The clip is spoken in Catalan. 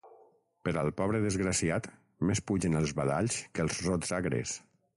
Per al pobre desgraciat, més pugen els badalls que els rots agres.